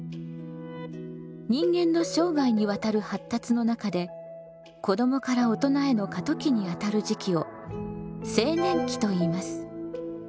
人間の生涯にわたる発達の中で子どもから大人への過渡期にあたる時期を青年期といいます。